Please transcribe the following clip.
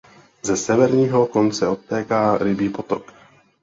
Ze severního konce odtéká Rybí potok.